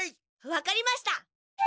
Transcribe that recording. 分かりました！